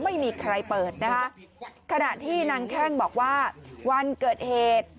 ไม่มีใครเปิดนะคะขณะที่นางแข้งบอกว่าวันเกิดเหตุ